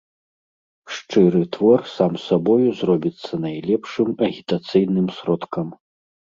Шчыры твор сам сабою зробіцца найлепшым агітацыйным сродкам.